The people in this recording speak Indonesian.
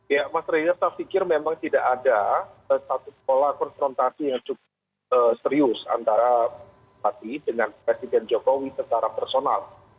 ya mas reza saya pikir memang tidak ada satu pola konfrontasi yang cukup serius antara pati dengan presiden jokowi secara personal